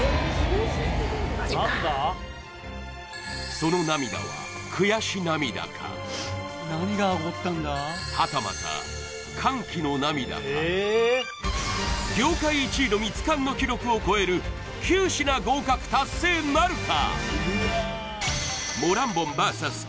その涙は悔し涙かはたまた歓喜の涙か業界１位のミツカンの記録を超える９品合格達成なるか！？